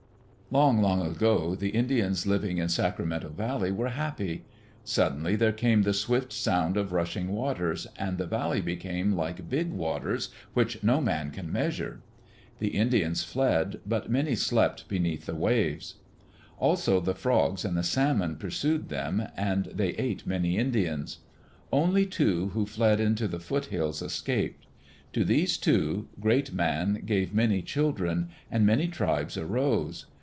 Long, long ago the Indians living in Sacramento Valley were happy. Suddenly there came the swift sound of rushing waters, and the valley became like Big Waters, which no man can measure. The Indians fled, but many slept beneath the waves. Also the frogs and the salmon pursued them and they ate many Indians. Only two who fled into the foothills escaped. To these two, Great Man gave many children, and many tribes arose.